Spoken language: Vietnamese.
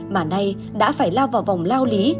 mà nay đã phải lao vào vòng lao lý